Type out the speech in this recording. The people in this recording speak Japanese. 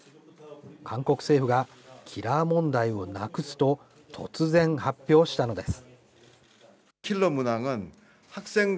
韓国政府がキラー問題をなくすと突然発表したのです。